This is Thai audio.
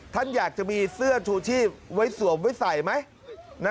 ท่านอยากจะมีเสื้อชูชีพไว้สวมไว้ใส่ไหม